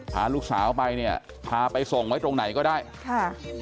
พาลูกสาวไปเนี่ยพาไปส่งไว้ตรงไหนก็ได้ค่ะ